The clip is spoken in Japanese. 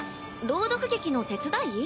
朗読劇の手伝い？